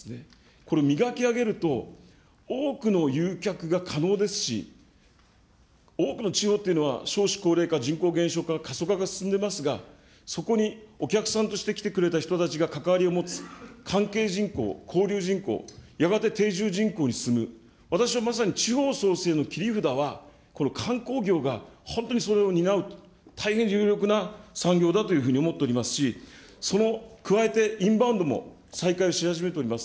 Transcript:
これ、磨き上げると多くの誘客が可能ですし、多くの地方というのは、少子高齢化、人口減少化、過疎化が進んでますが、そこにお客さんとして来てくれた人たちが関わりを持つ、関係人口、交流人口、やがて定住人口に進む、私はまさに地方創生の切り札は、この観光業が本当にそれを担うと、大変有力な産業だというふうに思っておりますし、その加えてインバウンドも再開し始めております。